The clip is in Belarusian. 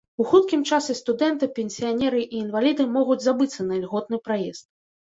У хуткім часе студэнты, пенсіянеры і інваліды могуць забыцца на ільготны праезд.